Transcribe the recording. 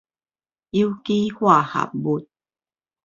有機化合物